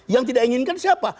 yang tidak diinginkan siapa